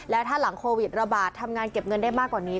แล้วถ้าหลังโควิดระบาดทำงานเก็บเงินได้มากกว่านี้